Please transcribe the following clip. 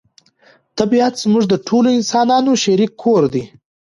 طبیعت زموږ د ټولو انسانانو شریک کور دی.